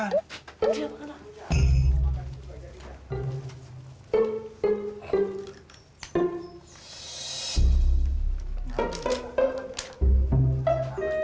nihl tunggu sisa minggu